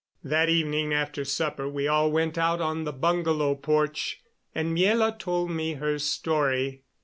That evening after supper we all went out on the bungalow porch, and Miela told me her story.